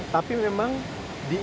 tapi memang di industri